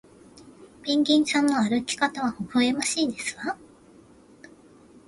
ペンギンさんの歩き方はほほえましいですわ